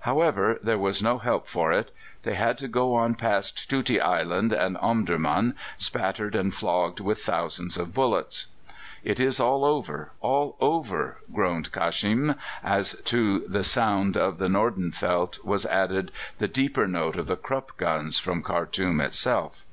However, there was no help for it; they had to go on past Tuti Island and Omdurman, spattered and flogged with thousands of bullets. "It is all over all over!" groaned Khashm, as to the sound of the Nordenfeldt was added the deeper note of the Krupp guns from Khartoum itself.